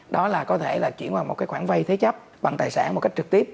đó là có thể là chuyển vào một khoản vay thế chấp bằng tài sản một cách trực tiếp